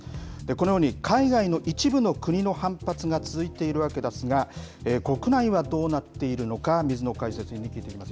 このように、海外の一部の国の反発が続いているわけですが、国内はどうなっているのか、水野解説委員に聞いていきます。